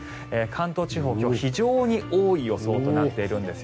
関東地方、今日は非常に多い予想となっているんです。